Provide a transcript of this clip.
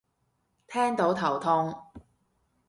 聽到頭痛